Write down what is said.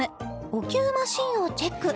お灸マシンをチェック